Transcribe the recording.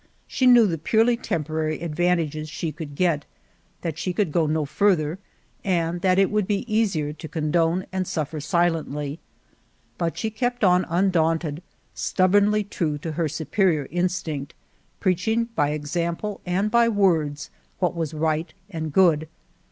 She knew the purely temporary advantages she could get, that she could go no farther, and that it would be easier to condone and suffer si lently. But she kept on undaunted, stub bornly true to her superior instinct, preaching by example and by words what was right and good.